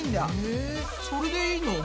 えそれでいいの？